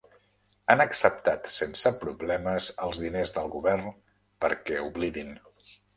Han acceptat sense problemes els diners del Govern perquè oblidin.